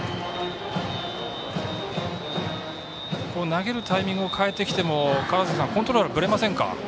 投げるタイミングを変えてきてもコントロールはぶれませんか。